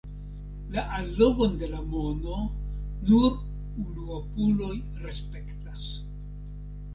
La allogon de la mono nur unuopuloj respektas.